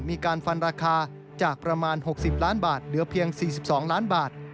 มีการฟันราคาจากประมาณ๖๐ล้านบาทเหลือเพียง๔๒ล้านบาท